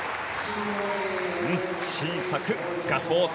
小さくガッツポーズ。